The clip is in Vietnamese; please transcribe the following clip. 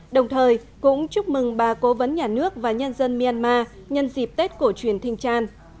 đồng thời cũng chúc mừng bà cố vấn nhà nước và nhân dân myanmar nhân dịp tết của truyền thinh tràn